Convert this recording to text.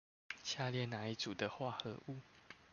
下列哪一組的化合物